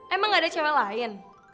emang gak ada cewek lain